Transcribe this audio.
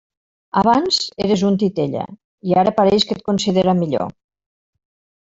Abans eres un titella, i ara pareix que et considera millor.